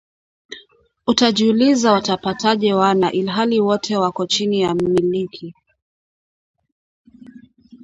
Utajiuliza watapataje wana ilhali wote wako chini ya milki